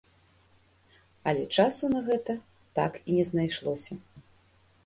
Але часу на гэта так і не знайшлося.